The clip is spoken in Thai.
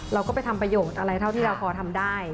เราก็ไปทำประโยชน์อะไรเท่าที่เราพอทำได้